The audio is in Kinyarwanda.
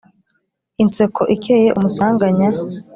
inseko ikeye umusanganya